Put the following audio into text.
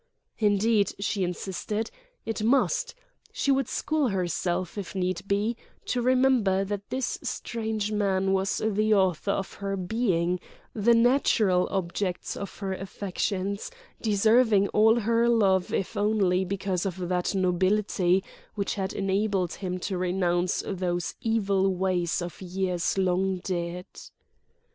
Indeed, she insisted, it must; she would school herself, if need be, to remember that this strange man was the author of her being, the natural object of her affections—deserving all her love if only because of that nobility which had enabled him to renounce those evil ways of years long dead.